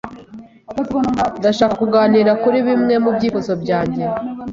Ndashaka kuganira kuri bimwe mubyifuzo byanjye.